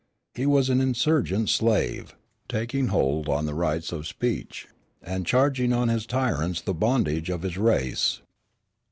He was an insurgent slave, taking hold on the rights of speech, and charging on his tyrants the bondage of his race."